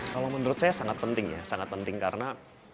kalau menurut saya sangat penting ya sangat penting karena